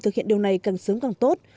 thực hiện điều này càng sớm càng tốt